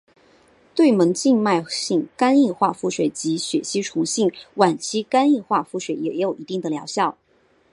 对门静脉性肝硬化腹水及血吸虫性晚期肝硬化腹水也有一定的疗效。